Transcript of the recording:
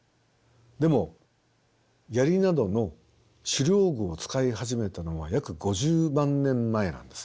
でも槍などの狩猟具を使い始めたのは約５０万年前なんですね。